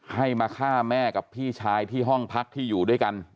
ให้มาฆ่าแม่กับพี่ชายที่ห้องพักที่อยู่ด้วยกัน